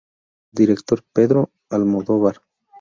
Director: "Pedro Almodóvar".